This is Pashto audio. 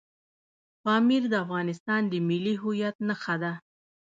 پامیر د افغانستان د ملي هویت نښه ده.